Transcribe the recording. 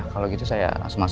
oke gue masuk waktu di rumah